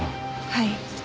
はい。